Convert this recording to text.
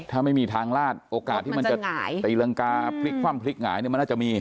ถ้าไม่มีทางลาดโอกาสที่มันจะตีรังกาพลิกคว่ำพลิกหงายเนี่ยมันน่าจะมี